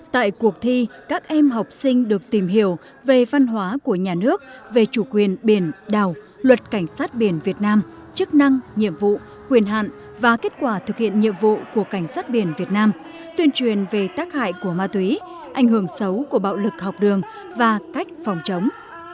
tại cuộc thi các em học sinh được tìm hiểu về văn hóa của nhà nước về chủ quyền biển đảo luật cảnh sát biển việt nam chức năng nhiệm vụ quyền hạn và kết quả thực hiện nhiệm vụ của cảnh sát biển việt nam tuyên truyền về tác hại của ma túy ảnh hưởng xấu của bạo lực học đường và cách phòng chống